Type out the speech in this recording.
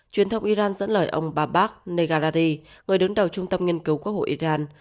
truyền thông iran dẫn lời ông babard negaradi người đứng đầu trung tâm nghiên cứu quốc hội iran